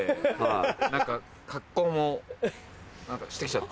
何か格好もしてきちゃって。